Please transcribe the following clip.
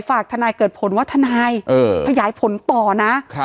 ฝากทนายเกิดผลว่าทนายเออขยายผลต่อนะครับ